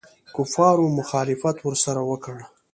کفارو مخالفت ورسره وکړ.